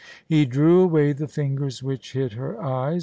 He drew away the fingers which hid her eyes.